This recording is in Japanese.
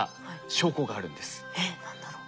えっ何だろう？